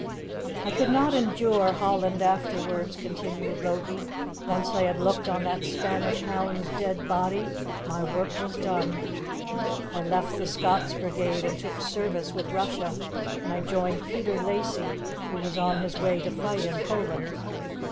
"I could not endure Holland afterwards," continued Logie; "once I had looked on that Spanish hound's dead body my work was done. I left the Scots Brigade and took service with Russia, and I joined Peter Lacy, who was on his way to fight in Poland.